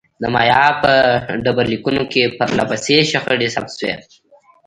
د مایا په ډبرلیکونو کې پرله پسې شخړې ثبت شوې.